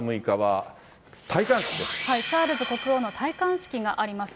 さあ、チャールズ国王の戴冠式があります。